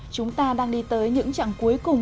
chúng ta đang đi tới những chặng cuối cùng